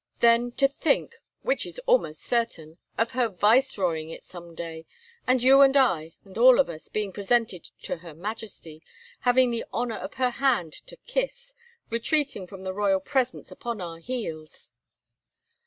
"Then to think, which is almost certain, of her Viceroying it someday; and you and I, and all of us, being presented to her Majesty having the honour of her hand to kiss retreating from the royal presence upon our heels.